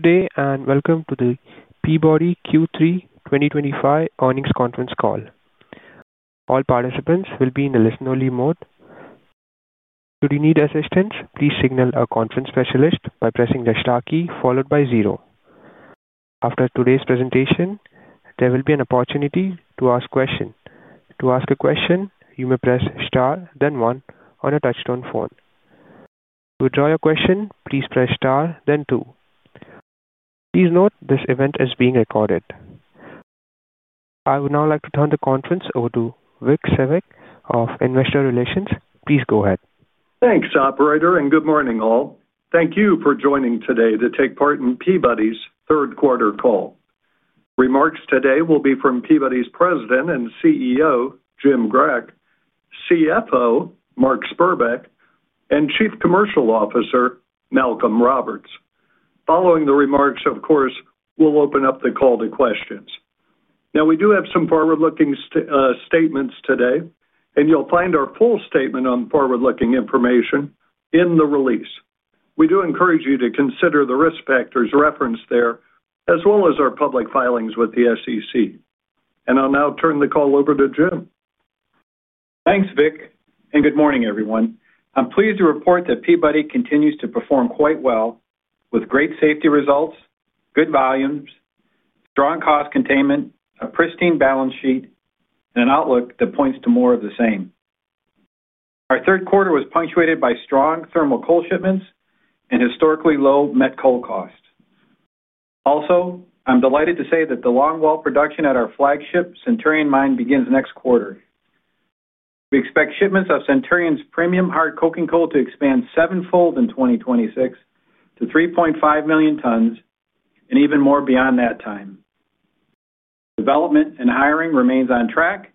Good day and welcome to the Peabody Energy Q3 2025 earnings conference call. All participants will be in the listen only mode. Should you need assistance, please signal a conference specialist by pressing the star key followed by zero. After today's presentation, there will be an opportunity to ask questions. To ask a question, you may press star then one on a touch-tone phone. To withdraw your question, please press star then two. Please note this event is being recorded. I would now like to turn the conference over to Vic Svec of Investor Relations. Please go ahead. Thanks, operator, and good morning all. Thank you for joining today to take part in Peabody Energy's third quarter call. Remarks today will be from Peabody Energy's President and CEO Jim Grech, CFO Mark Spurbeck, and Chief Commercial Officer Malcolm Roberts. Following the remarks, of course, we'll open up the call to questions. We do have some forward-looking statements today, and you'll find our full statement on forward-looking information in the release. We do encourage you to consider the risk factors referenced there as well as our public filings with the SEC, and I'll now turn the call over to Jim. Thanks Vic and good morning everyone. I'm pleased to report that Peabody continues to perform quite well with great safety results, good volumes, strong cost containment, a pristine balance sheet, and an outlook that points to more of the same. Our third quarter was punctuated by strong thermal coal shipments and historically low met coal costs. Also, I'm delighted to say that the longwall production at our flagship Centurion mine begins next quarter. We expect shipments of Centurion's premium hard coking coal to expand sevenfold in 2026 to 3.5 million tons and even more beyond that time. Development and hiring remains on track,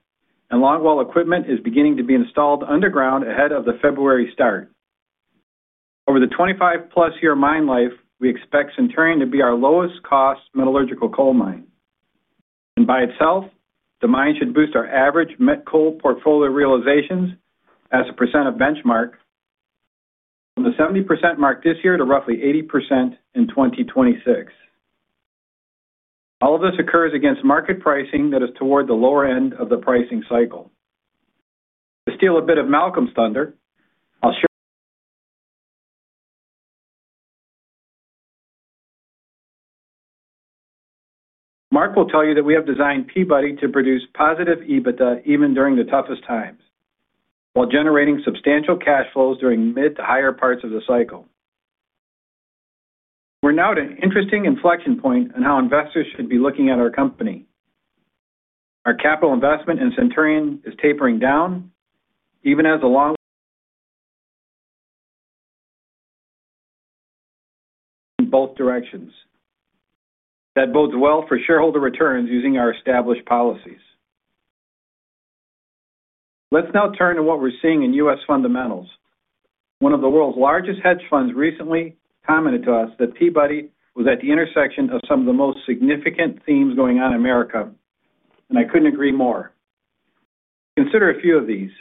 and longwall equipment is beginning to be installed underground ahead of the February start. Over the 25 plus year mine life, we expect Centurion to be our lowest cost metallurgical coal mine, and by itself the mine should boost our average met coal portfolio realizations as a % of benchmark from the 70% mark this year to roughly 80% in 2026. All of this occurs against market pricing that is toward the lower end of the pricing cycle. To steal a bit of Malcolm's thunder. Mark will tell you that we have designed Peabody to produce positive EBITDA even during the toughest times, while generating substantial cash flows during mid to higher parts of the cycle. We're now at an interesting inflection point on how investors should be looking at our company. Our capital investment in Centurion is tapering down even as a long in both directions. That bodes well for shareholder returns using our established policies. Let's now turn to what we're seeing in U.S. fundamentals. One of the world's largest hedge funds recently commented to us that Peabody was at the intersection of some of the most significant themes going on in America, and I couldn't agree more. Consider a few of these.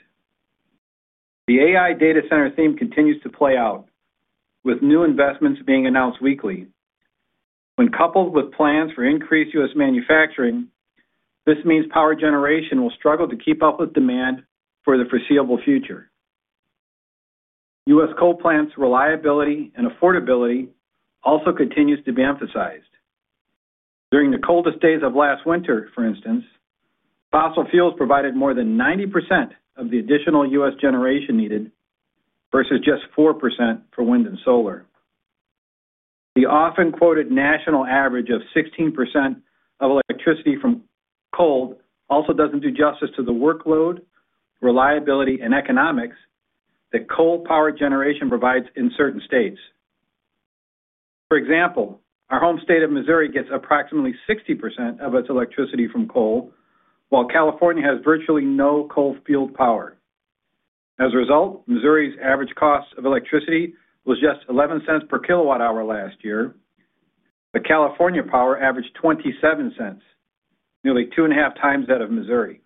The AI data center theme continues to play out, with new investments being announced weekly. When coupled with plans for increased U.S. manufacturing, this means power generation will struggle to keep up with demand for the foreseeable future. U.S. coal plants' reliability and affordability also continues to be emphasized. During the coldest days of last winter, for instance, fossil fuels provided more than 90% of the additional U.S. generation needed, versus just 4% for wind and solar. The often quoted national average of 16% of electricity from coal also doesn't do justice to the workload, reliability, and economics that coal power generation provides in certain states. For example, our home state of Missouri gets approximately 60% of its electricity from coal, while California has virtually no coal-fueled power. As a result, Missouri's average cost of electricity was just $0.11 per kilowatt hour. Last year, the California power averaged $0.27, nearly two and a half times that of Missouri.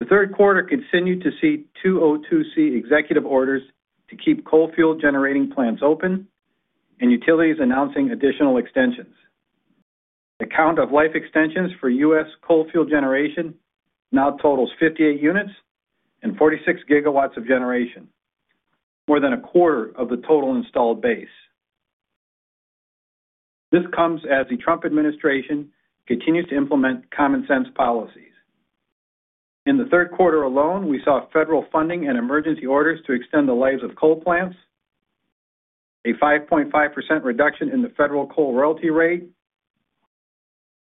The third quarter continued to see 202c executive orders to keep coal-fueled generating plants open and utilities announcing additional extensions. The count of life extensions for U.S. coal-fueled generation now totals 58 units and 46 gigawatts of generation, more than a quarter of the total installed base. This comes as the Trump administration continues to implement common sense policies. In the third quarter alone, we saw federal funding and emergency orders to extend the lives of coal plants, a 5.5% reduction in the federal coal royalty rate,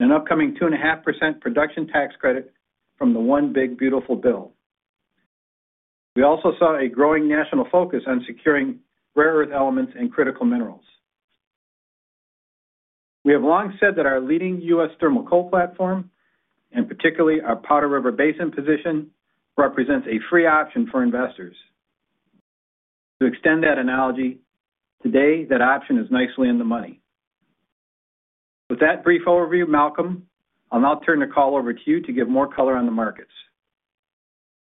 an upcoming 2.5% production tax credit from the one big beautiful bill. We also saw a growing national focus on securing rare earth elements and critical minerals. We have long said that our leading U.S. thermal coal platform, and particularly our Powder River Basin position, represents a free option for investors. To extend that analogy, today, that option is nicely in the money. With that brief overview, Malcolm, I'll now turn the call over to you to give more color on the markets.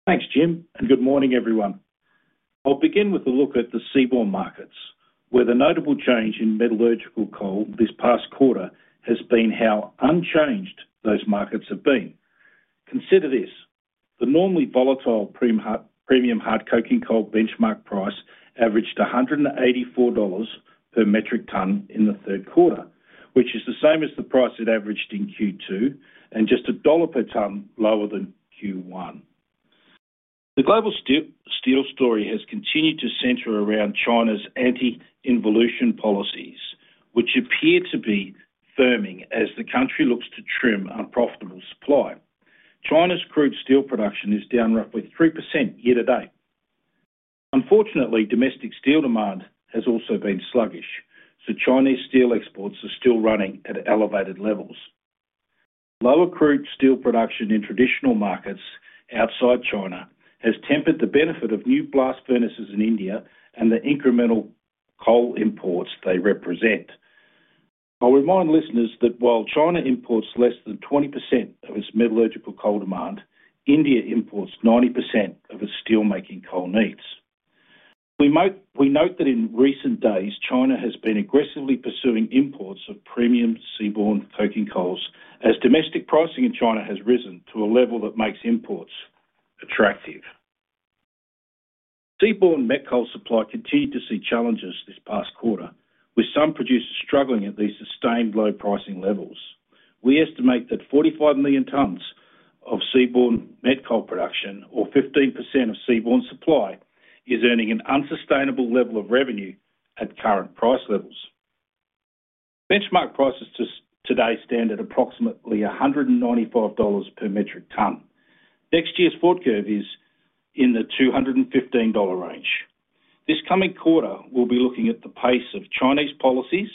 Thanks, Jim, and good morning, everyone. I'll begin with a look at the Seaborne markets where the notable change in metallurgical coal this past quarter has been. How unchanged those markets have been. Consider this: the normally volatile premium hard coking coal benchmark price averaged $184 per metric tonne in the third quarter, which is the same as the price it averaged in Q2 and just a dollar per tonne lower than Q1. The global steel story has continued to center around China's anti-involution policies, which appear to be firming as the country looks to trim unprofitable supply. China's crude steel production is down roughly 3% year to date. Unfortunately, domestic steel demand has also been sluggish, so Chinese steel exports are still running at elevated levels. Lower crude steel production in traditional markets outside China has tempered the benefit of new blast furnaces in India and the incremental coal imports they represent. I'll remind listeners that while China imports less than 20% of its metallurgical coal demand, India imports 90% of its steelmaking coal needs. We note that in recent days China has been aggressively pursuing imports of premium seaborne coking coals as domestic pricing in China has risen to a level that makes imports attractive. Seaborne met coal supply continued to see challenges this past quarter with some producers struggling at these sustained low pricing levels. We estimate that 45 million tonnes of seaborne met coal production, or 15% of seaborne supply, is earning an unsustainable level of revenue at current price levels. Benchmark prices today stand at approximately $195 per metric tonne. Next year's forward curve is in the $215 range. This coming quarter we'll be looking at the pace of Chinese policies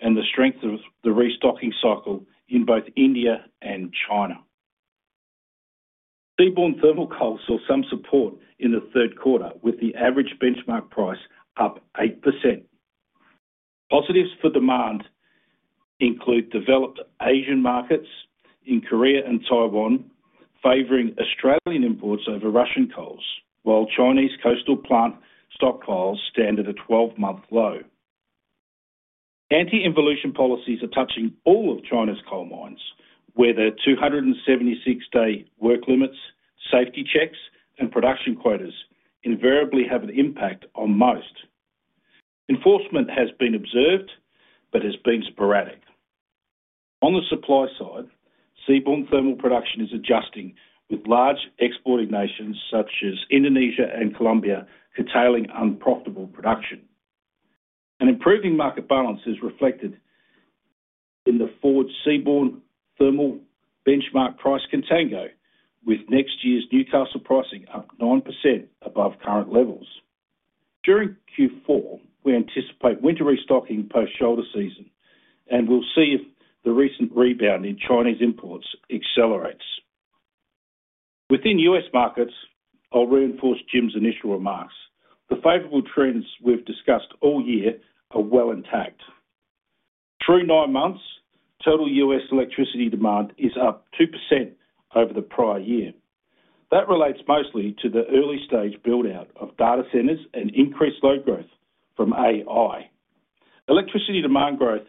and the strength of the restocking cycle in both India and China. Seaborne thermal coal saw some support in the third quarter with the average benchmark price up 8%. Positives for demand include developed Asian markets in Korea and Taiwan favoring Australian imports over Russian coals, while Chinese coastal plant stockpiles stand at a 12-month low. Anti-involution policies are touching all of China's coal mines where there are 276-day work limits. Safety checks and production quotas invariably have an impact, and most enforcement has been observed but has been sporadic. On the supply side, seaborne thermal production is adjusting with large exporting nations such as Indonesia and Colombia curtailing unprofitable production. An improving market balance is reflected in the forward seaborne thermal benchmark price contango, with next year's Newcastle pricing up 9% above current levels during Q4. We anticipate winter restocking post shoulder season, and we'll see if the recent rebound in Chinese imports accelerates. Within U.S. markets, I'll reinforce Jim's initial remarks. The favorable trends we've discussed all year are well intact through nine months. Total U.S. electricity demand is up 2% over the prior year. That relates mostly to the early stage build out of data centers and increased load growth from AI. Electricity demand growth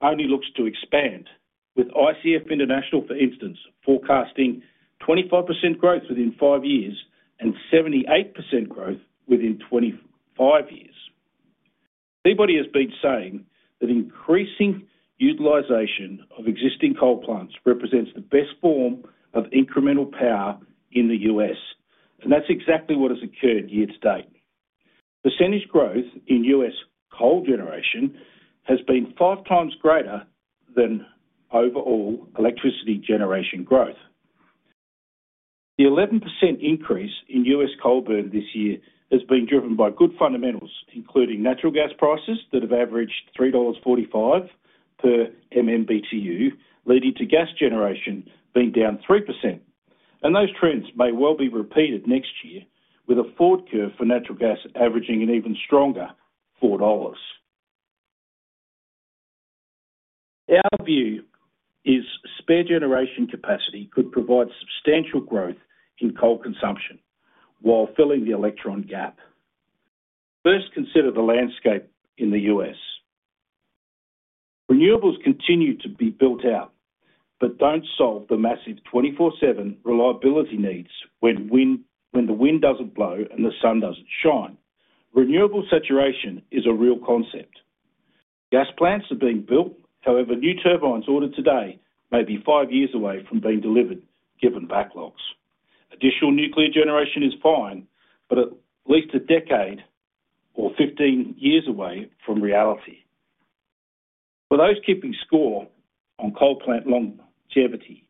only looks to expand, with ICF International, for instance, forecasting 25% growth within five years and 78% growth within 25 years. Peabody Energy has been saying that increasing utilization of existing coal plants represents the best form of incremental power in the U.S., and that's exactly what has occurred. Year to date, percentage growth in U.S. coal generation has been five times greater than overall electricity generation growth. The 11% increase in U.S. coal burn this year has been driven by good fundamentals, including natural gas prices that have averaged $3.45 per MMBtu, leading to gas generation being down 3%. Those trends may well be repeated next year with a forward curve for natural gas averaging an even stronger $4. Our view is spare generation capacity could provide substantial growth in coal consumption while filling the electron gap. First, consider the landscape in the U.S. Renewables continue to be built out but don't solve the massive 24/7 reliability needs. When the wind doesn't blow and the sun doesn't shine, renewable saturation is a real concept. Gas plants are being built. However, new turbines ordered today may be five years away from being delivered, given backlogs. Additional nuclear generation is fine, but at least a decade or 15 years away from reality. For those keeping score on coal plant longevity,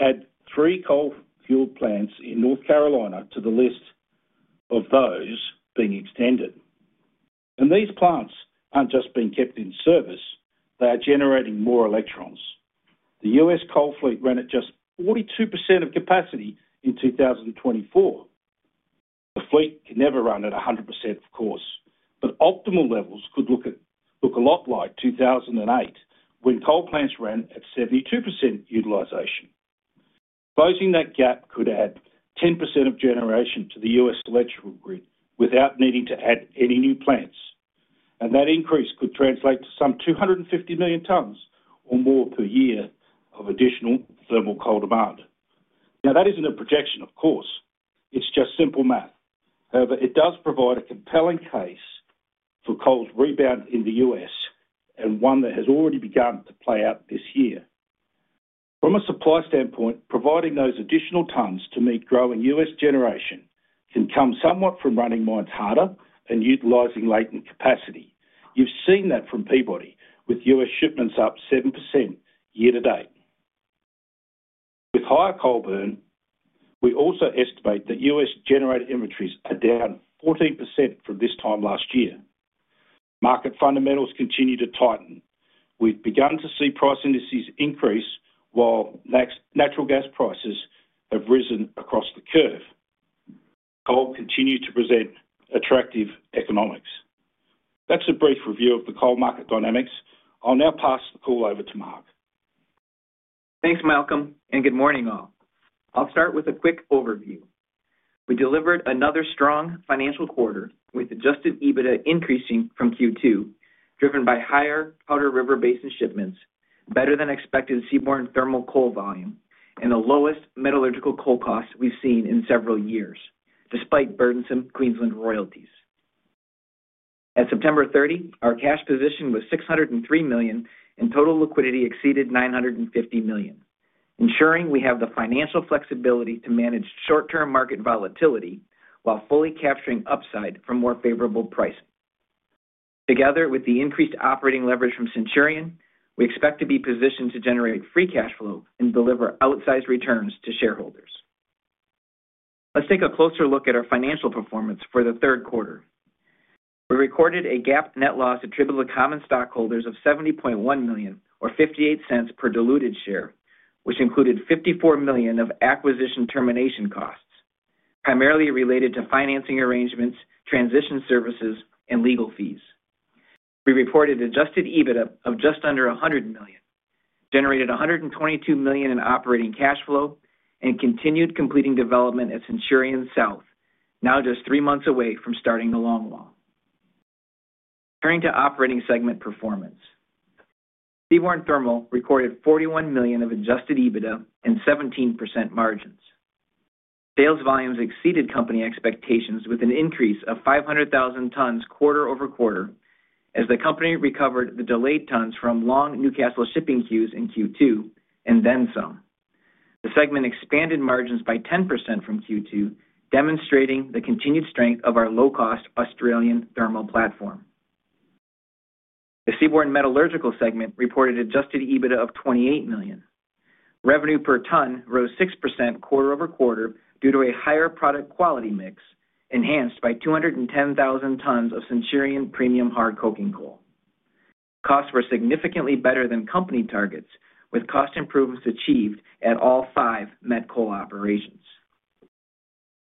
add three coal-fueled plants in North Carolina to the list of those being extended. These plants aren't just being kept in service, they are generating more electrons. The U.S. coal fleet ran at just 42% of capacity in 2024. The fleet can never run at 100% of course, but optimal levels could look a lot like 2008 when coal plants ran at 72% utilization. Closing that gap could add 10% of generation to the U.S. electrical grid without needing to add any new plants. That increase could translate to some 250 million tonnes or more per year of additional thermal coal demand. Now that isn't a projection, of course, it's just simple math. However, it does provide a compelling case for coal's rebound in the U.S., and one that has already begun to play out this year. From a supply standpoint, providing those additional tonnes to meet growing U.S. generation can come somewhat from running mines harder and utilizing latent capacity. You've seen that from Peabody with U.S. shipments up 7% year to date with higher coal burn. We also estimate that U.S. generated inventories are down 14% from this time last year. Market fundamentals continue to tighten. We've begun to see price indices increase while natural gas prices have risen across the curve. Coal continues to present attractive economics. That's a brief review of the coal market dynamics. I'll now pass the call over to Mark. Thanks, Malcolm, and good morning all. I'll start with a quick overview. We delivered another strong financial quarter with adjusted EBITDA increasing from Q2 driven by higher Powder River Basin shipments, better than expected seaborne thermal coal volume, and the lowest metallurgical coal cost we've seen in several years despite burdensome Queensland royalties. At September 30, our cash position was $603 million and total liquidity exceeded $950 million, ensuring we have the financial flexibility to manage short-term market volatility while fully capturing upside for more favorable prices. Together with the increased operating leverage from Centurion, we expect to be positioned to generate free cash flow and deliver outsized returns to shareholders. Let's take a closer look at our financial performance for the third quarter. We recorded a GAAP net loss attributable to common stockholders of $70.1 million or $0.58 per diluted share, which included $54 million of acquisition termination costs primarily related to financing arrangements, transition services, and legal fees. We reported adjusted EBITDA of just under $100 million, generated $122 million in operating cash flow, and continued completing development at Centurion South, now just three months away from starting the longwall. Turning to operating segment performance, seaborne thermal recorded $41 million of adjusted EBITDA and 17% margins. Sales volumes exceeded company expectations with an increase of 500,000 tons quarter over quarter as the company recovered the delayed tons from long Newcastle shipping queues in Q2 and then some. The segment expanded margins by 10% from Q2, demonstrating the continued strength of our low-cost Australian thermal platform. The seaborne metallurgical segment reported adjusted EBITDA of $28 million. Revenue per ton rose 6% quarter over quarter due to a higher product quality mix enhanced by 210,000 tons of Centurion premium. Hard coking coal costs were significantly better than company targets with cost improvements achieved at all five met coal operations.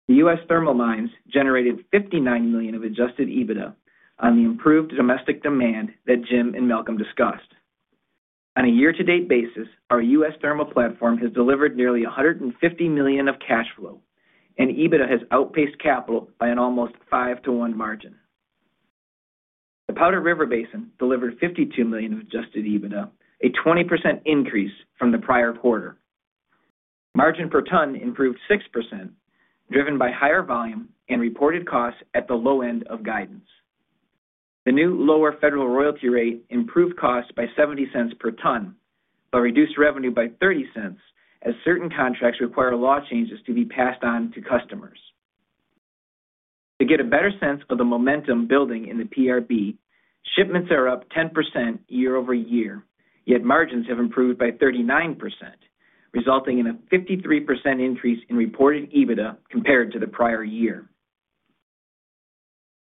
The U.S. thermal mines generated $59 million of adjusted EBITDA on the improved domestic demand that Jim and Malcolm discussed. On a year-to-date basis, our U.S. thermal platform has delivered nearly $150 million of cash flow and EBITDA has outpaced capital by an almost 5 to 1 margin. The Powder River Basin delivered $52 million of adjusted EBITDA, a 20% increase from the prior quarter. Margin per ton improved 6% driven by higher volume and reported costs at the low end of guidance. The new lower federal royalty rate improved cost by $0.70 per ton but reduced revenue by $0.30 as certain contracts require law changes to be passed on to customers. To get a better sense of the momentum building in the PRB, shipments are up 10% year over year, yet margins have improved by 39% resulting in a 53% increase in reported EBITDA compared to the prior year.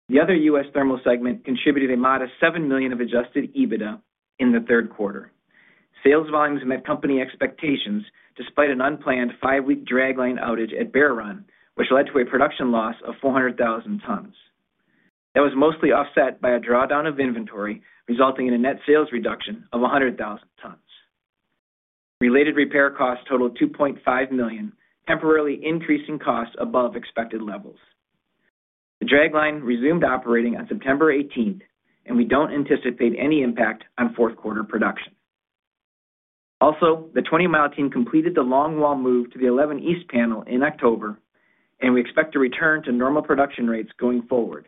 The other U.S. thermal segment contributed a modest $7 million of adjusted EBITDA in the third quarter. Sales volumes met company expectations despite an unplanned five-week dragline outage at Bear Run, which led to a production loss of 400,000 tons that was mostly offset by a drawdown of inventory, resulting in a net sales reduction of 100,000 tons. Related repair costs totaled $2.5 million, temporarily increasing costs above expected levels. The dragline resumed operating on September 18th, and we don't anticipate any impact on fourth quarter production. Also, the 20 Mile team completed the longwall move to the 11 East panel in October, and we expect to return to normal production rates going forward,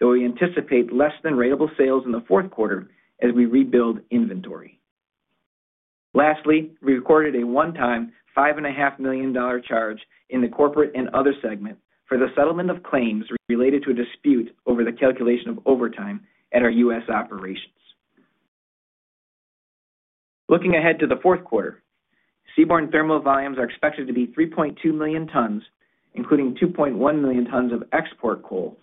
though we anticipate less than ratable sales in the fourth quarter as we rebuild inventory. Lastly, we recorded a one-time $5.5 million charge in the Corporate and Other segment for the settlement of claims related to a dispute over the calculation of overtime at our U.S. operations. Looking ahead to the fourth quarter, seaborne thermal volumes are expected to be 3.2 million tons, including 2.1 million tons of export coal,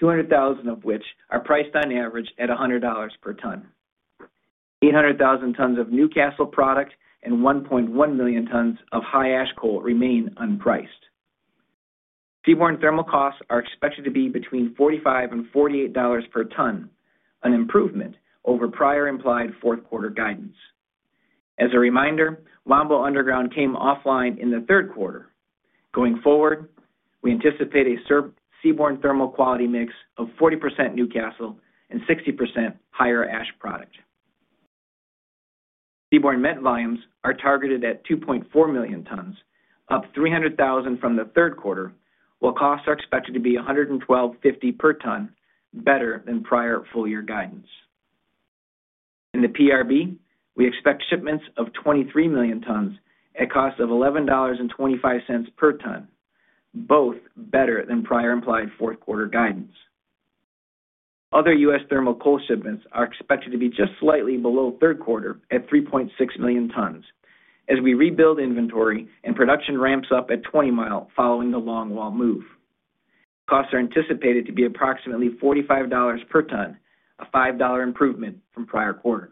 200,000 of which are priced on average at $100 per ton. 800,000 tons of Newcastle product and 1.1 million tons of high ash coal remain unpriced. Seaborne thermal costs are expected to be between $45 and $48 per ton, an improvement over prior implied fourth quarter guidance. As a reminder, Wambo Underground came offline in the third quarter. Going forward, we anticipate a seaborne thermal quality mix of 40% Newcastle and 60% higher ash product. Seaborne met volumes are targeted at 2.4 million tons, up 300,000 from the third quarter, while costs are expected to be $112.50 per ton, better than prior full year guidance. In the PRB, we expect shipments of 23 million tons at a cost of $11.25 per ton, both better than prior implied fourth quarter guidance. Other U.S. thermal coal shipments are expected to be just slightly below third quarter at 3.6 million tons as we rebuild inventory and production ramps up at 20 Mile following the longwall move. Costs are anticipated to be approximately $45 per ton, a $5 improvement from prior quarter.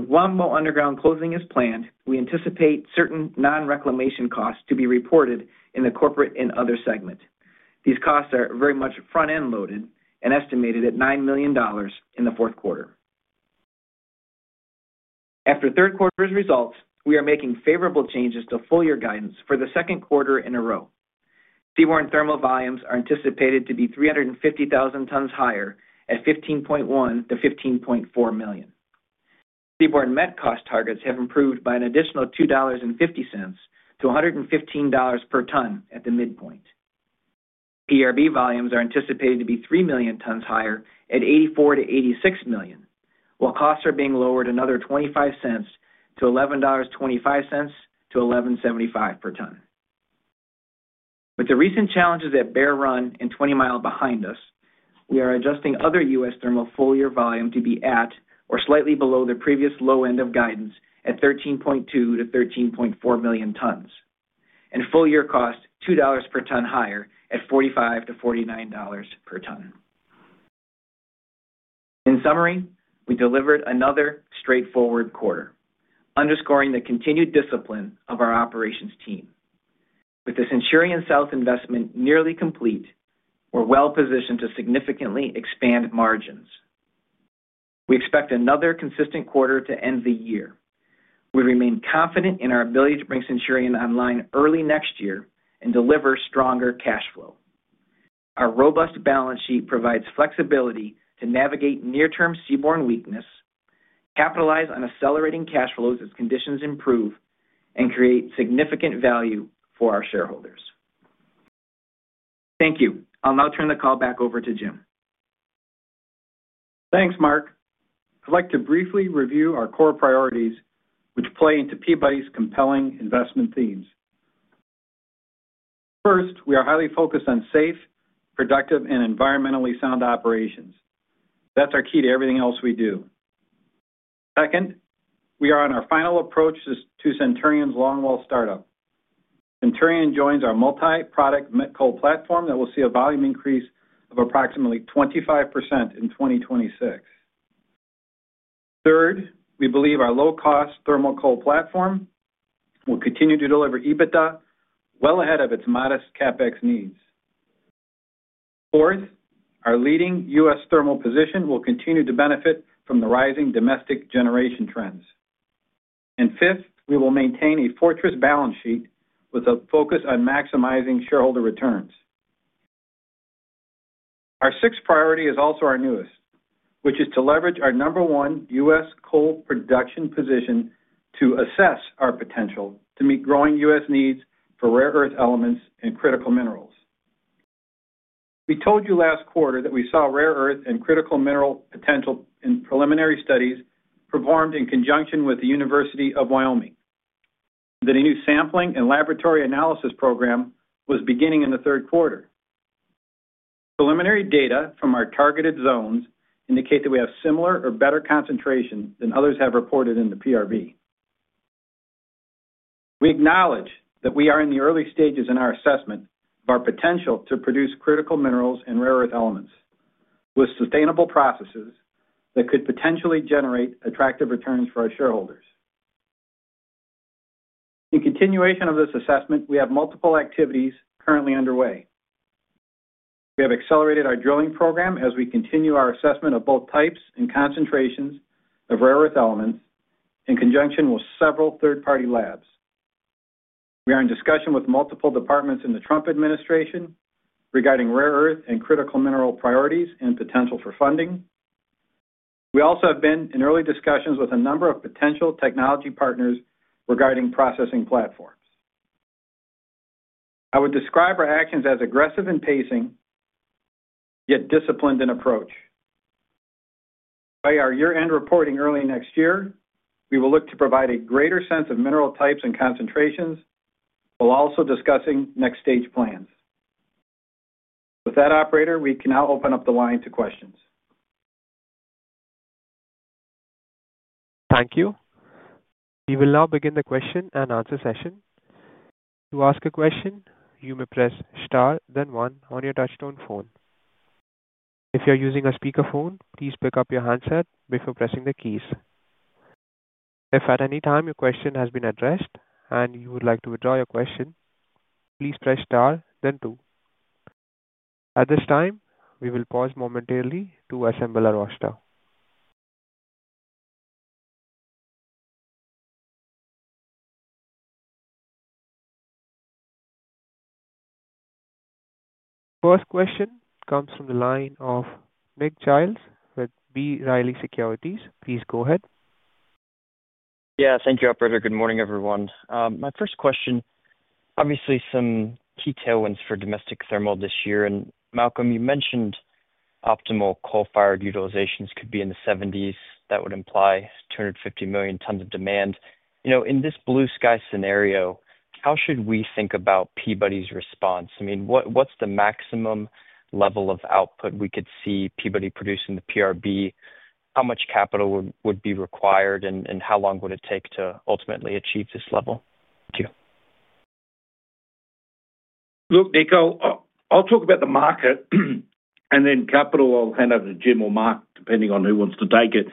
Wambo Underground closing is planned. We anticipate certain non-reclamation costs to be reported in the Corporate and Other segment. These costs are very much front-end loaded and estimated at $9 million in the fourth quarter. After third quarter's results, we are making favorable changes to full year guidance for the second quarter in a row. Seaborne thermal volumes are anticipated to be 350,000 tons higher at 15.1 to 15.4 million. Seaborne met cost targets have improved by an additional $2.50 to $115 per ton at the midpoint. PRB volumes are anticipated to be 3 million tons higher at 84 to 86 million, while costs are being lowered another $0.25 to $11.25 to $11.75 per ton. With the recent challenges at Bear Run and 20 Mile behind us, we are adjusting other U.S. thermal coal volume to be at or slightly below the previous low end of guidance at 13.2 to 13.4 million tons, and full year cost $2 per ton higher at $45-$49 per ton. In summary, we delivered another straightforward quarter, underscoring the continued discipline of our operations team. With the Centurion South investment nearly complete, we're well positioned to significantly expand margins. We expect another consistent quarter to end the year. We remain confident in our ability to bring Centurion online early next year and deliver stronger cash flow. Our robust balance sheet provides flexibility to navigate near term seaborne weakness, capitalize on accelerating cash flows as conditions improve, and create significant value for our shareholders. Thank you. I'll now turn the call back over to Jim. Thanks, Mark. I'd like to briefly review our core priorities which play into Peabody Energy's compelling investment themes. First, we are highly focused on safe, productive, and environmentally sound operations. That's our key to everything else we do. Second, we are on our final approach to Centurion's longwall startup. Centurion joins our multiproduct met coal platform that will see a volume increase of approximately 25% in 2026. Third, we believe our low-cost thermal coal platform will continue to deliver EBITDA well ahead of its modest CapEx needs. Fourth, our leading U.S. thermal position will continue to benefit from the rising domestic generation trends. Fifth, we will maintain a fortress balance sheet with a focus on maximizing shareholder returns. Our sixth priority is also our newest, which is to leverage our number one U.S. coal production position to assess our potential to meet growing U.S. needs for rare earth elements and critical minerals. We told you last quarter that we saw rare earth and critical mineral potential in preliminary studies performed in conjunction with the University of Wyoming and that a new sampling and laboratory analysis program was beginning in the third quarter. Preliminary data from our targeted zones indicate that we have similar or better concentration than others have reported in the PRB. We acknowledge that we are in the early stages in our assessment of our potential to produce critical minerals and rare earth elements with sustainable processes that could potentially generate attractive returns for our shareholders. In continuation of this assessment, we have multiple activities currently underway. We have accelerated our drilling program as we continue our assessment of both types and concentrations of rare earth elements. In conjunction with several third-party labs, we are in discussion with multiple departments in the Trump administration regarding rare earth and critical mineral priorities and potential for funding. We also have been in early discussions with a number of potential technology partners regarding processing platforms. I would describe our actions as aggressive in pacing yet disciplined in approach. By our year-end reporting early next year, we will look to provide a greater sense of mineral types and concentrations while also discussing next stage plans. With that, operator, we can now open up the line to questions. Thank you. We will now begin the question and answer session. To ask a question, you may press Star then one on your touchtone phone. If you are using a speakerphone, please pick up your handset before pressing the keys. If at any time your question has been addressed and you would like to withdraw your question, please press Star then two. At this time, we will pause momentarily to assemble our roster. First question comes from the line of Nick Giles with B. Riley Securities. Please go ahead. Yeah, thank you, Operator. Good morning, everyone. My first question, obviously some key tailwinds for domestic thermal this year, and Malcolm, you mentioned optimal coal-fired utilizations could be in the 70s. That would imply 250 million tons of demand. In this blue sky scenario, how should we think about Peabody Energy's response? I mean, what's the maximum level of output we could see Peabody producing in the PRB? How much capital would be required, and how long would it take to ultimately achieve this level? Thank you. Look, Nick, I'll talk about the market. Capital, I'll hand over to Jim or Mark, depending on who wants to take it.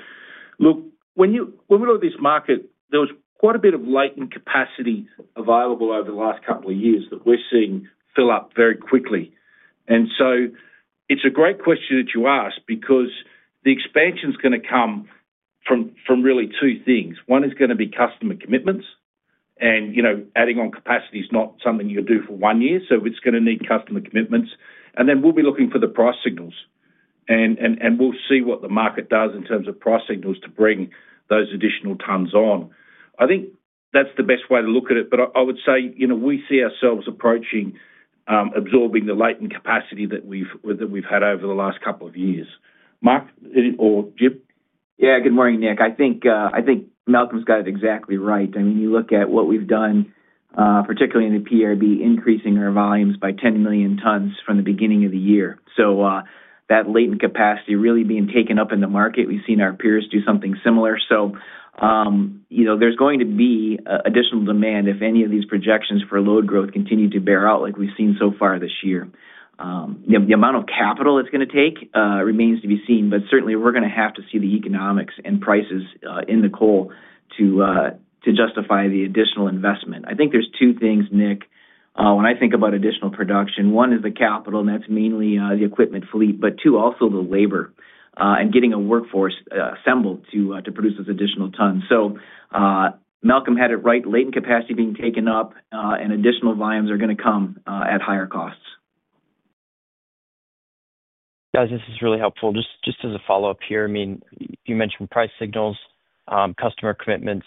When we look at this market, there was quite a bit of latent capacity available over the last couple of years. That we're seeing fill up very quickly. It's a great question. You ask because the expansion is going to come from really two things. One is going to be customer commitments, and adding on capacity is not something you do for one year. It is going to need customer commitments, and then we'll be looking for the price signals. We'll see what the market does in terms of price signals to bring those additional tonnes on. I think that's the best way to look at it. I would say, you know, we see ourselves approaching absorbing the latent capacity that we've had over the last couple of years. Malcolm or Jim. Yeah, good morning, Nick. I think Malcolm's got it exactly right. I mean, you look at what we've done, particularly in the PRB, increasing our volumes by 10 million tons from the beginning of the year. That latent capacity really being taken up in the market, we've seen our peers do something similar. You know there's going to be additional demand if any of these projections for load growth continue to bear out like we've seen so far this year. The amount of capital it's going to take remains to be seen, but certainly we're going to have to see the economics and prices in the coal to justify the additional investment. I think there's two things, Nick, when I think about additional production. One is the capital, and that's mainly the equipment fleet, but two, also the labor and getting a workforce assembled to produce those additional tons. Malcolm had it right. Latent capacity being taken up and additional volumes are going to come at higher costs. Guys, this is really helpful. Just as a follow-up here, you mentioned price signals, customer commitments.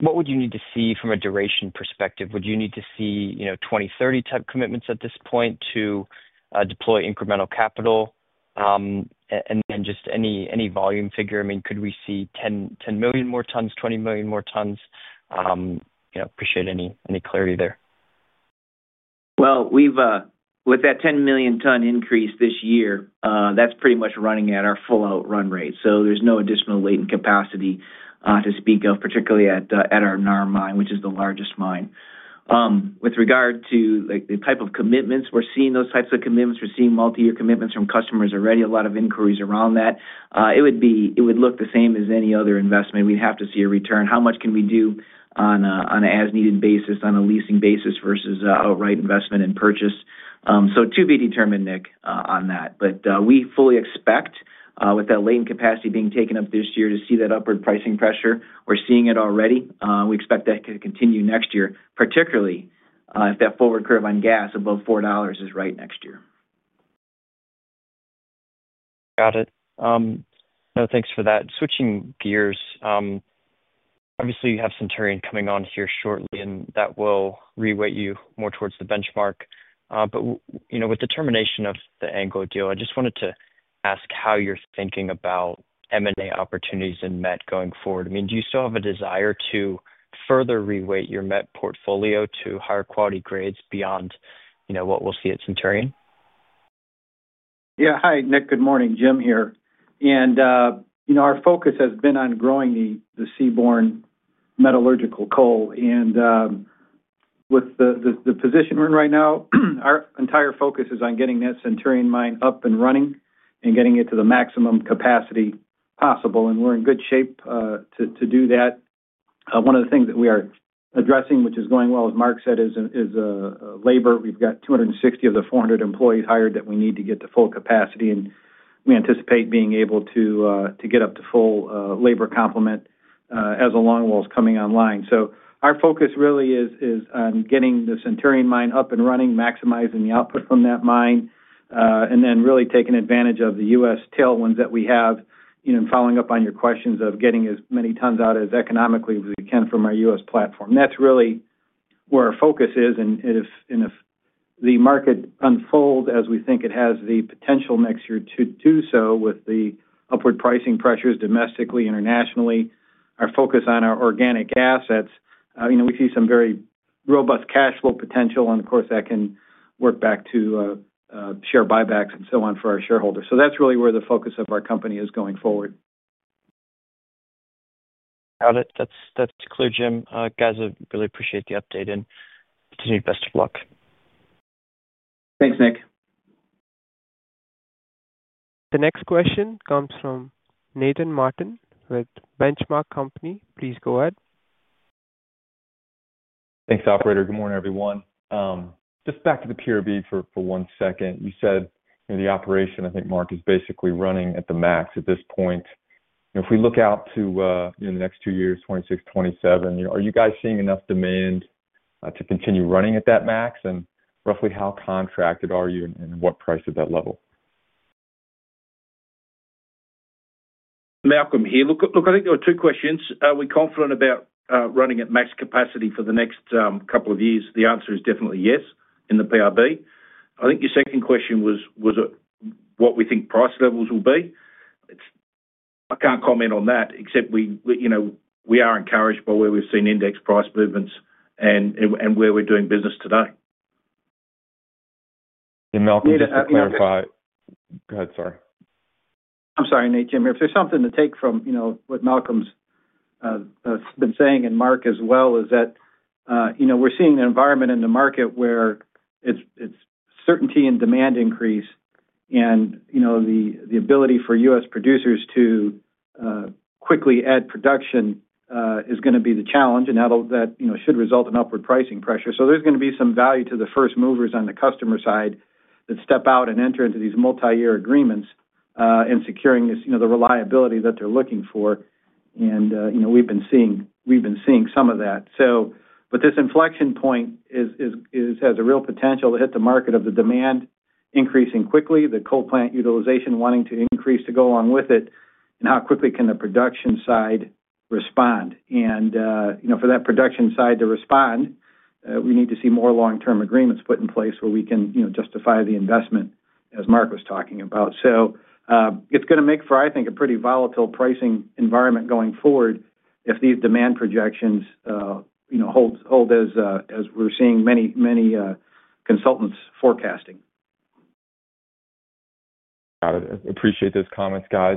What would you need to see from a duration perspective? Would you need to see 20, 30 type commitments at this point to deploy incremental capital, and just any volume figure? Could we see 10 million more tons, 20 million more tons? Appreciate any clarity there. With that 10 million ton increase this year, that's pretty much running at our full out run rate. There's no additional latent capacity to speak of, particularly at our NAR mine, which is the largest mine with regard to the type of commitments we're seeing. Those types of commitments, we're seeing multi-year commitments from customers, already a lot of inquiries around that. It would look the same as any other investment. We'd have to see a return. How much can we do on an as-needed basis on a leasing basis versus outright investment in purchase? To be determined, Nick, on that. We fully expect with that latent capacity being taken up this year to see that upward pricing pressure. We're seeing it already. We expect that to continue next year, particularly if that forward curve on gas above $4 is right next year. Got it. No. Thanks for that. Switching gears, obviously you have Centurion coming on here shortly and that will reweight you more towards the benchmark. With the termination of the Anglo American deal, I just wanted to ask how you're thinking about M&A opportunities in Met going forward. I mean, do you still have a desire to further reweight your Met portfolio to higher quality grades beyond, you know, what we'll see at Centurion? Yeah. Hi, Nick. Good morning. Jim here. Our focus has been on growing the seaborne metallurgical coal. With the position we're in right now, our entire focus is on getting that Centurion mine up and running and getting it to the maximum capacity possible. We're in good shape to do that. One of the things that we are addressing, which is going well, as Mark said, is labor. We've got 260 of the 400 employees hired that we need to get to full capacity. We anticipate being able to get up to full labor complement as a longwall is coming online. Our focus really is on getting the Centurion mine up and running, maximizing the output from that mine, and then really taking advantage of the U.S. tailwinds that we have. Following up on your questions of getting as many tons out as economically as we can from our U.S. platform, that's really where our focus is. If the market unfolds as we think it has the potential next year to do so, with the upward pricing pressures domestically, internationally, our focus on our organic assets, we see some very robust cash flow potential. Of course, that can work back to share buybacks and so on for our shareholders. That's really where the focus of our company is going forward. Got it. That's it. That's clear, Jim. Guys, I really appreciate the update and continue. Best of luck. Thanks, Nick. The next question comes from Nathan Martin with The Benchmark Company. Please go ahead. Thanks, operator. Good morning, everyone. Just back to the PRB for one second. You said the operation. I think Mark is basically running at the max at this point. If we look out to the next two years, 2026, 2027, are you guys seeing enough demand to continue running at that max and roughly how contracted are you and what price at that level? Malcolm, here, look, I think there were two questions. Are we confident about running at max capacity? For the next couple of years, the answer is definitely yes in the PRB. I think your second question was what we think price levels will be. I can't comment on that, except we are encouraged by where we've seen index price movements and where we're doing business today. Malcolm, clarify. Go ahead. Sorry, Nat. Jim here, if there's something to take from what Malcolm's been saying and Mark as well, it's that we're seeing an environment in the market where it's certainty and demand increase, and the ability for U.S. producers to quickly add production is going to be the challenge. That should result in upward pricing pressure. There's going to be some value to the first movers on the customer side that step out and enter into these multi-year agreements and secure the reliability that they're looking for. We've been seeing some of that. This inflection point has a real potential to hit the market with demand increasing quickly, the coal plant utilization wanting to increase to go along with it, and how quickly can the production side respond? For that production side to respond, we need to see more long-term agreements put in place where we can justify the investment, as Mark was talking about. It's going to make for, I think, a pretty volatile pricing environment going forward if these demand projections hold, as we're seeing many consultants forecasting. Got it. Appreciate those comments, guys.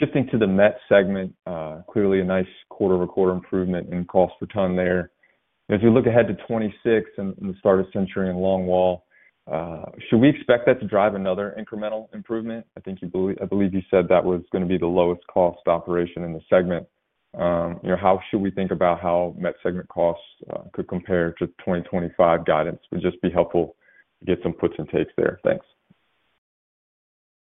Shifting to the Met segment, clearly a nice quarter over quarter improvement in cost per ton there. As we look ahead to 2026 and start a Centurion longwall, should we expect that to drive another incremental improvement? I think, I believe you said that was going to be the lowest cost operation in the segment. How should we think about how Met segment costs could compare to 2025? Guidance would just be helpful to get some puts and takes there. Thanks.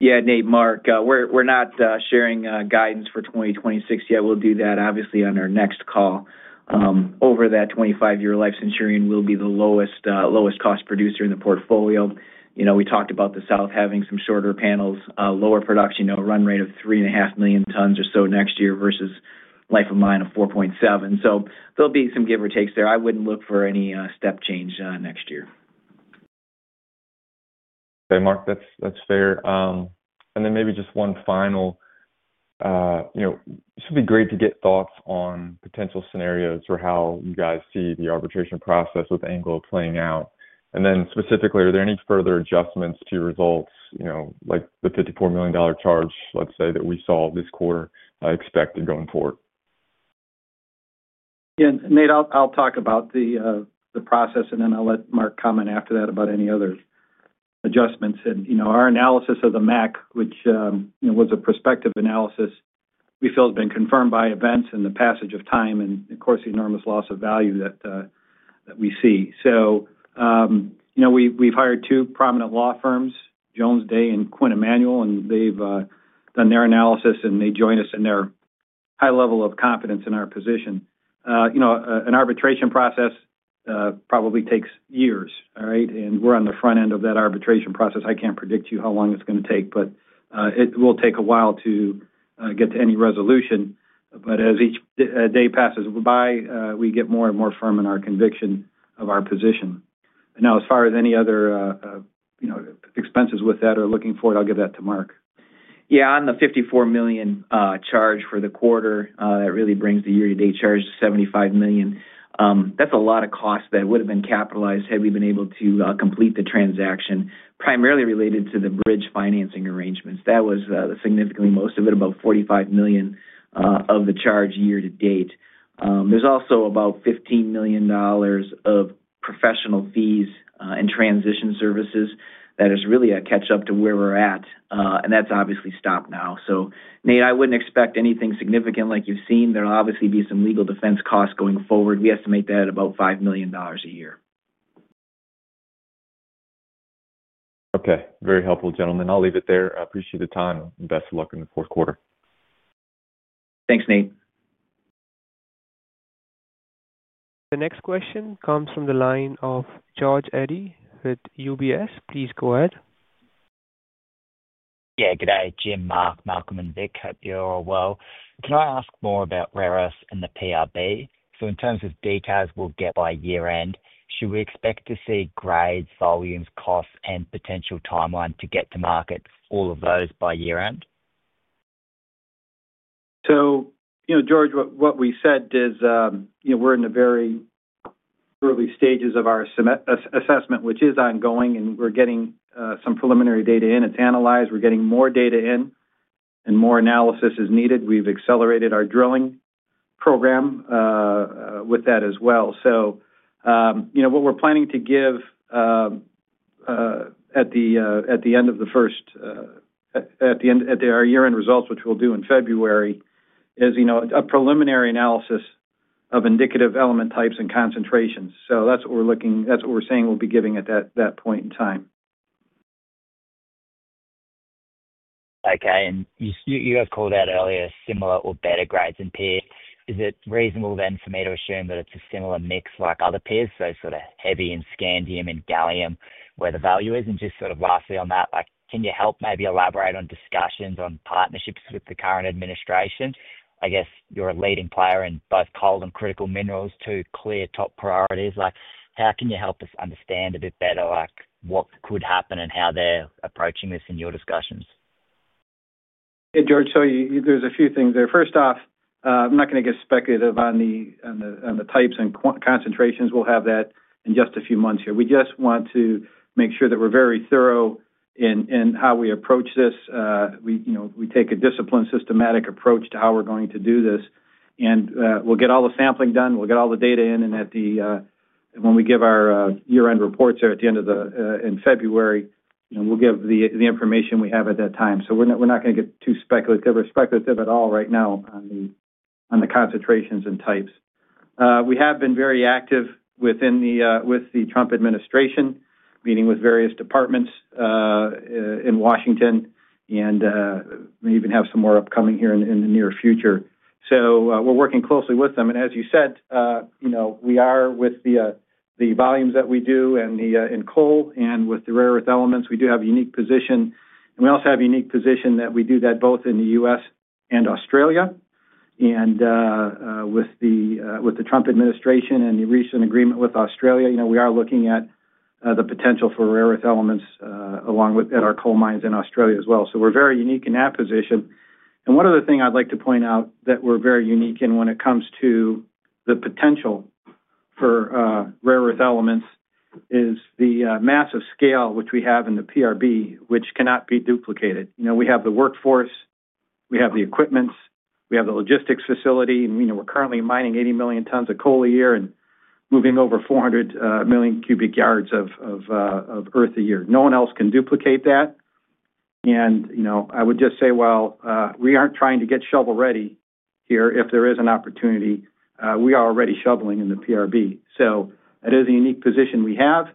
Yeah. Nate, Mark, we're not sharing guidance for 2026 yet. We'll do that obviously on our next call. Over that 25-year life, Centurion will be the lowest cost producer in the portfolio. You know, we talked about the south having some shorter panels, lower production run rate of 3.5 million tons or so next year versus life of mine of 4.7. There'll be some give or takes there. I wouldn't look for any step change next year. Okay, Mark, that's fair. Maybe just one final. This would be great to get thoughts on potential scenarios for how you guys see the arbitration process with Anglo American playing out. Specifically, are there any further adjustments to your results, like the $54 million charge we saw this quarter, expected going forward? Yeah, Nate, I'll talk about the process and then I'll let Mark comment after that about any other adjustments. Our analysis of the Mac, which was a prospective analysis, we feel has been confirmed by events and the passage of time and of course the enormous loss of value that we see. We've hired two prominent law firms, Jones Day and Quinn Emanuel, and they've done their analysis and they join us in their high level of confidence in our position. An arbitration process probably takes years, all right, and we're on the front end of that arbitration process. I can't predict you how long it's going to take, but it will take a while to get to any resolution. As each day passes by, we get more and more firm in our conviction of our position. Now, as far as any other expenses with that are looking forward, I'll give that to Mark. Yeah. On the $54 million charge for the quarter, that really brings the year-to-date charge to $75 million. That's a lot of cost that would have been capitalized had we been able to complete the transaction, primarily related to the bridge financing arrangements. That was significantly, most of it, about $45 million of the charge year-to-date. There's also about $15 million of professional fees and transition services. That is really a catch up to where we're at, and that's obviously stopped now. Nate, I wouldn't expect anything significant like you've seen. There will obviously be some legal defense costs going forward. We estimate that at about $5 million a year. Okay, very helpful, gentlemen. I'll leave it there. I appreciate the time. Best of luck in the fourth quarter. Thanks, Nate. The next question comes from the line of George Eddy with UBS. Please go ahead. Yeah, good day, Jim, Mark, Malcolm and Vic. Hope you're all well. Can I ask more about rare earths and the PRB? In terms of details we'll get by year end, should we expect to see grades, volumes, costs and potential timeline to get to market, all of those by year end. You know, George, what we said is we're in the very early stages of our assessment, which is ongoing, and we're getting some preliminary data in, it's analyzed. We're getting more data in and more analysis is needed. We've accelerated our drilling program with that as well. What we're planning to give at the end of the first, at our year end results, which we'll do in February, is a preliminary analysis of indicative element types and concentrations. That's what we're saying we'll be giving at that point in time. Okay. You guys called out earlier similar or better grades in peer. Is it reasonable for me to assume that it's a similar mix like other peers, so sort of heavy in scandium and gallium where the value is? Lastly, on that, can you help maybe elaborate on discussions on partnerships with the current administration? I guess you're a leading player in both coal and critical minerals, two clear top priorities. How can you help us understand a bit better what could happen and how they're approaching this in your discussions? Hey, George. There's a few things there. First off, I'm not going to get speculative on the types and concentrations. We'll have that in just a few months here. We just want to make sure that we're very thorough in how we approach this. We take a disciplined, systematic approach to how we're going to do this. We'll get all the sampling done, we'll get all the data in, and when we give our year end reports in February, we'll give the information we have at that time. We're not going to get too speculative or speculative at all right now on the concentrations and types. We have been very active with the Trump administration, meeting with various departments in Washington and even have some more upcoming here in the near future. We're working closely with them. As you said, with the volumes that we do in coal and with the rare earth elements, we do have a unique position and we also have a unique position that we do that both in the U.S. and Australia. With the Trump administration and the recent agreement with Australia, we are looking at the potential for rare earth elements at our coal mines in Australia as well. We're very unique in that position. One other thing I'd like to point out that we're very unique in when it comes to the potential for rare earth elements is the massive scale which we have in the PRB, which cannot be duplicated. We have the workforce, we have the equipment, we have the logistics facility, and we're currently mining 80 million tons of coal a year and moving over 400 million cubic yards of earth a year. No one else can duplicate that. I would just say we aren't trying to get shovel ready here. If there is an opportunity, we are already shoveling in the PRB. It is a unique position we have.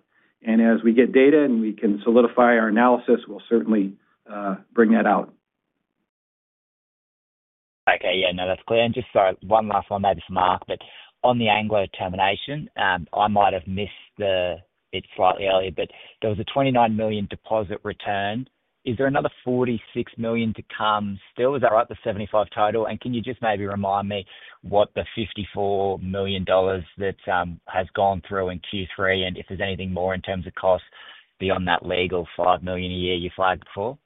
As we get data and we can solidify our analysis, we'll certainly bring that out. Okay, yeah, no, that's clear. Sorry, one last one maybe for Mark, but on the Anglo American termination, I might have missed it slightly earlier, but there was a $29 million deposit return. Is there another $46 million to come still? Is that right? The 75 total. Can you just maybe remind me what the $54 million that has gone through in Q3 is and if there's anything more in terms of costs beyond that legal $5 million a year you flagged before.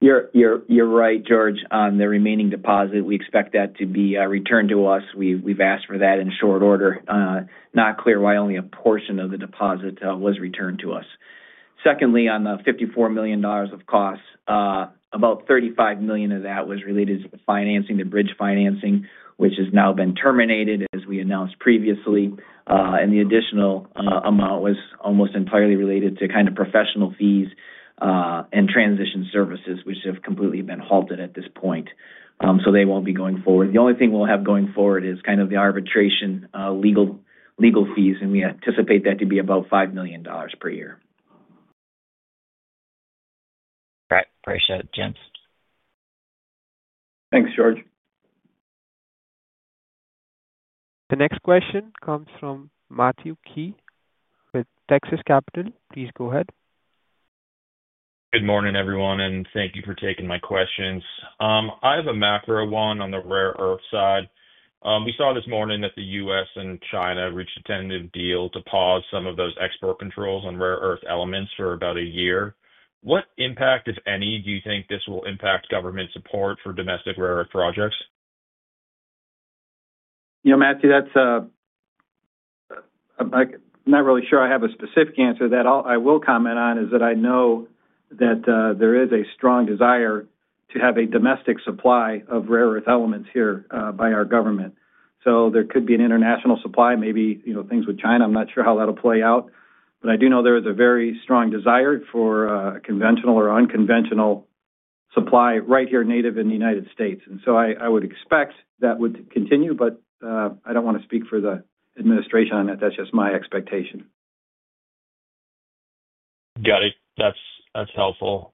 Thanks. You're right, George. On the remaining deposit, we expect that to be returned to us. We've asked for that in short order. It's not clear why only a portion of the deposit was returned to us. On the $54 million of costs, about $35 million of that was related to the financing, the bridge financing, which has now been terminated, as we announced previously. The additional amount was almost entirely related to professional fees and transition services, which have completely been halted at this point. They won't be going forward. The only thing we'll have going forward is the arbitration, legal fees, and we anticipate that to be about $5 million per year. Thanks, appreciate it guys. Thanks, George. The next question comes from Matthew Key with Texas Capital. Please go ahead. Good morning, everyone, and thank you for taking my questions. I have a macro one on the rare earth side. We saw this morning that the U.S. and China reached a tentative deal to pause some of those export controls on rare earth elements for about a year. What impact, if any, do you think this will impact government support for domestic rare earth projects? You know, Matthew, I'm not really sure. I have a specific answer that I will comment on is that I know that there is a strong desire to have a domestic supply of rare earth elements here by our government. There could be an international supply, maybe things with China. I'm not sure how that'll play out. I do know there is a very strong desire for conventional or unconventional supply right here native in the United States. I would expect that would continue. I don't want to speak for the administration on that. That's just my expectation. Got it, that's helpful.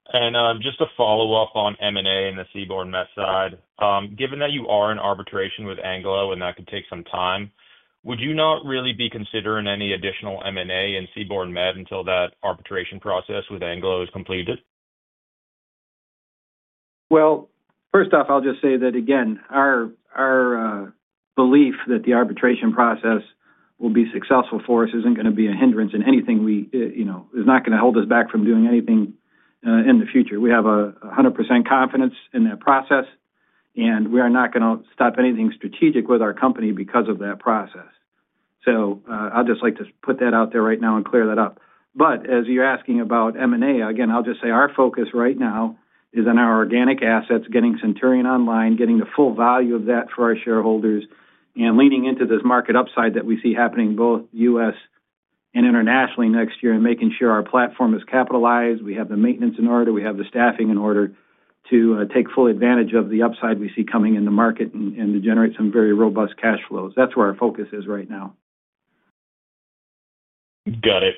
Just a follow up on M&A and the seaborne metallurgical coal side, given that you are in arbitration with Anglo American and that could take some time, would you not really be considering any additional M&A in seaborne metallurgical coal until that arbitration process with Anglo American is completed? First off, I'll just say that again, our belief that the arbitration process will be successful for us isn't going to be a hindrance in anything. You know, it's not going to hold us back from doing anything in the future. We have 100% confidence in that process and we are not going to stop anything strategic with our company because of that process. I'd just like to put that out there right now and clear that up. As you're asking about M&A again, I'll just say our focus right now is on our organic assets, getting Centurion online, getting the full value of that for our shareholders and leaning into this market upside that we see happening both U.S. and internationally next year and making sure our platform is capitalized. We have the maintenance in order, we have the staffing in order to take full advantage of the upside we see coming in the market and to generate some very robust cash flows. That's where our focus is right now. Got it.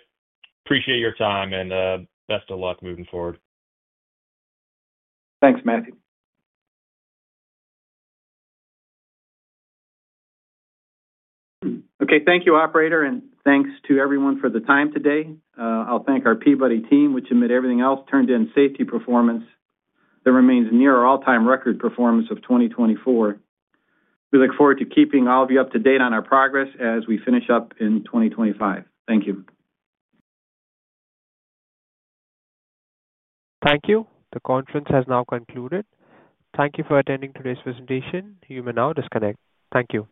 Appreciate your time and best of luck moving forward. Thanks, Matthew. Thank you, operator, and thanks to everyone for the time today. I'll thank our Peabody team, which amid everything else turned in safety performance that remains near our all-time record performance of 2024. We look forward to keeping all of you up to date on our progress as we finish up in 2025. Thank you. Thank you. The conference has now concluded. Thank you for attending today's presentation. You may now disconnect. Thank you.